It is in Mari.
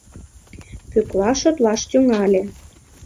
Пӧкла шотлаш тӱҥале.